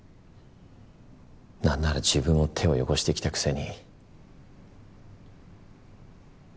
なんなら自分も手を汚してきたくせに。